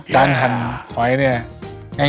การหันไขว้งั้นเนี่ย